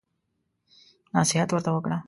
نصيحت ورته وکړه.